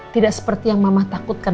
tidak seperti yang mama takutkan